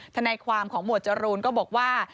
ทนายความของหมวดจรูนก็บอกว่า